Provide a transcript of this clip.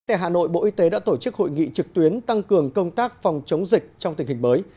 tại hà nội bộ y tế đã tổ chức hội nghị trực tuyến tăng cường công tác phòng chống dịch trong tình hình mới